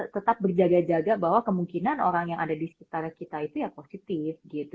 tetap berjaga jaga bahwa kemungkinan orang yang ada di sekitar kita itu ya positif